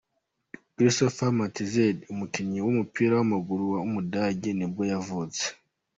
Christoph Metzelder, umukinnyi w’umupira w’amaguru w’umudage nibwo yavutse.